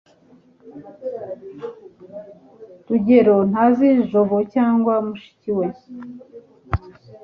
rugeyo ntazi jabo cyangwa mushiki we